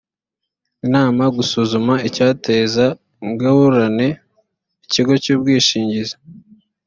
inama gusuzuma ibyateza ingorane ikigo cy’ubwishingizi